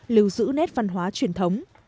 lưu giữ nét văn hóa truyền thống